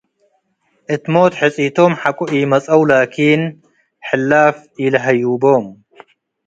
እት ሞት ሕጺቶም ሐቆ ኢመጽአው ላኪን ሕላፍ ኢለሀዩቦም ።